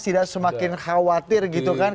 tidak semakin khawatir gitu kan